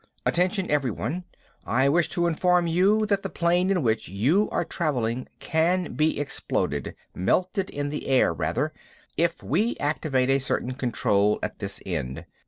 "Attention, everyone! I wish to inform you that the plane in which you are traveling can be exploded melted in the air, rather if we activate a certain control at this end.